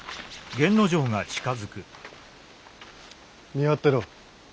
見張ってろ。